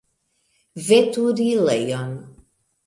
Veturilejon.